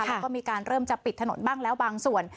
แล้วก็มีการเริ่มจะปิดถนนบ้างแล้วบางส่วน